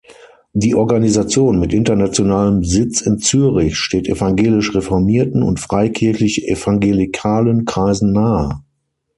Die Organisation mit internationalem Sitz in Zürich steht evangelisch-reformierten und freikirchlich-evangelikalen Kreisen nahe.